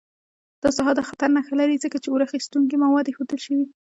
دا ساحه د خطر نښه لري، ځکه چې اور اخیستونکي مواد ایښودل شوي.